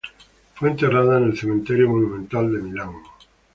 Fue enterrada en el Cementerio Monumental de Milán.